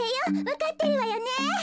わかってるわよね？